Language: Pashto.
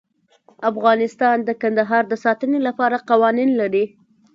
افغانستان د کندهار د ساتنې لپاره قوانین لري.